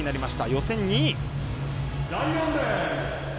予選２位。